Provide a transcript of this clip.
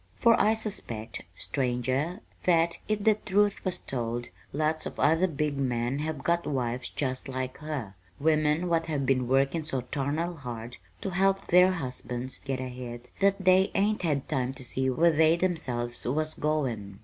For I suspect, stranger, that, if the truth was told, lots of other big men have got wives just like her women what have been workin' so tarnal hard to help their husbands get ahead that they hain't had time to see where they themselves was goin'.